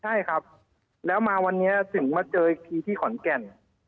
ใช่ครับแล้วมาวันนี้ถึงมาเจออีกทีที่ขอนแก่น